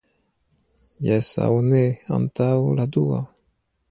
Jes aŭ ne antaŭ la dua.